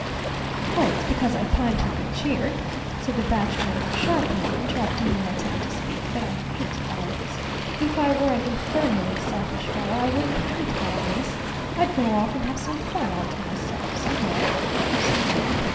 "Oh, it's because I pine for good cheer," said the bachelor, sharply, interrupting my attempt to speak, "that I hate holidays. If I were an infernally selfish fellow, I wouldn't hate holidays. I'd go off and have some fun all to myself, somewhere or somehow.